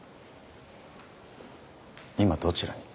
今どちらに？